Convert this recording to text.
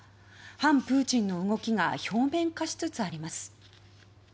反プーチンの動きが表面化しつつあります。